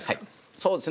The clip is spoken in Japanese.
そうですね